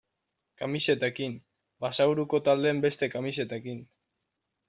Kamisetekin, Basaburuko taldeen beste kamisetekin...